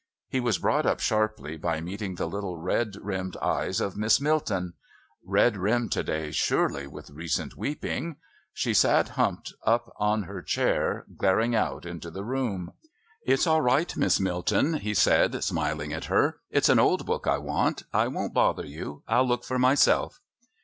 He was brought up sharply by meeting the little red rimmed eyes of Miss Milton. Red rimmed to day, surely, with recent weeping. She sat humped up on her chair, glaring out into the room. "It's all right, Miss Milton," he said, smiling at her. "It's an old book I want. I won't bother you. I'll look for myself."